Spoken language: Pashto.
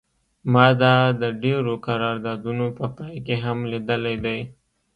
ما دا د ډیرو قراردادونو په پای کې هم لیدلی دی